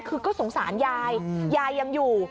คือก็สงสารยายยายยังอยู่